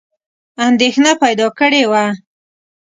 اندېښنه پیدا کړې وه.